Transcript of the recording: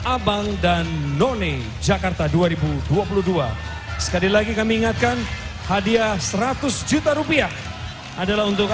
abang dan none jakarta dua ribu dua puluh dua sekali lagi kami ingatkan hadiah seratus juta rupiah adalah untuk